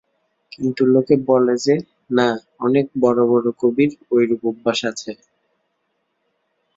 কিন্তু লোকে বলে যে, না, অনেক বড়ো বড়ো কবির ঐরূপ অভ্যাস আছে।